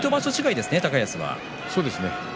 そうですね。